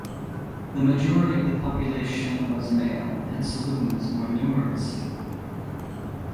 The majority of the population was male and saloons were numerous.